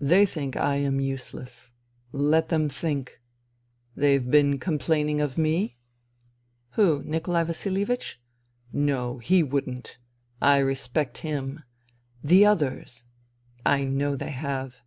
They think I am useless. Let them think. They've been complaining of me ?" Who, Nikolai Vasihevich ?" No, he wouldn't. I respect him. The others. I know they have.